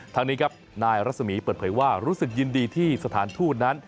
ทางนี้ครับนายรัศมีร์เปิดเผยว่ารู้สึกยินดีที่สถานทูตนั้น